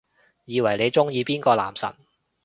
以為你鍾意邊個男神